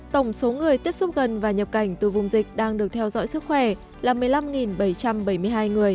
tổng số người tiếp xúc gần và nhập cảnh từ vùng dịch đang được theo dõi sức khỏe là một mươi năm bảy trăm bảy mươi hai người